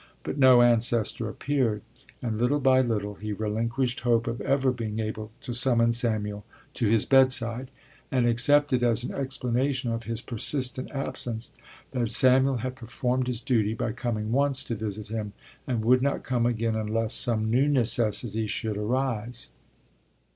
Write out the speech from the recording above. But no ancestor appeared, and little by little he relinquished hope of ever being able to summon Samuel to his bedside, and accepted as an explanation of his persistent absence that Samuel had performed his duty by coming once to visit him and would not come again unless some new necessity should arise.